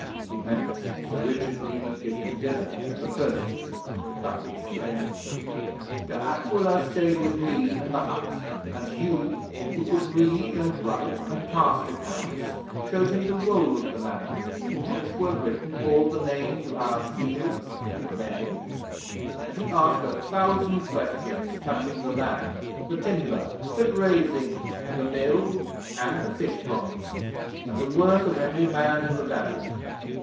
"' 'He meant Sir Richard needn't give him dinner there the first year,' Puck explained. 'De Aquila stayed with me in the hut, and Hugh, who could read and write and cast accounts, showed him the Roll of the Manor, in which were written all the names of our fields and men, and he asked a thousand questions touching the land, the timber, the grazing, the mill, and the fish ponds, and the worth of every man in the valley.